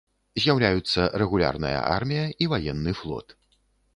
З'яўляюцца рэгулярная армія і ваенны флот.